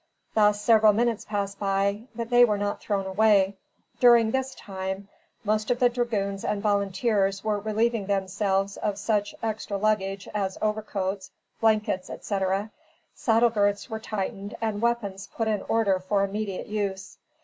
Thus several minutes passed by; but they were not thrown away. During this time, most of the dragoons and volunteers were relieving themselves of such extra luggage as overcoats, blankets, etc.; saddle girths were tightened and weapons put in order for immediate use.